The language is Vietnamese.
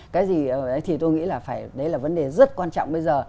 cái gì thì tôi nghĩ là vấn đề rất quan trọng bây giờ